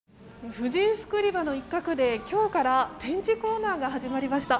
婦人服売り場の一角で今日から展示コーナーが始まりました。